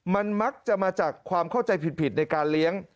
มันมักจะมาจากความเข้าใจผิดในการเลี้ยง